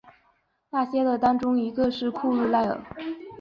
那些的当中一个是库路耐尔。